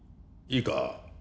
いいか？